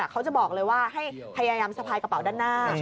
เขาจะบอกเลยว่าให้พยายามสะพายกระเป๋าด้านหน้า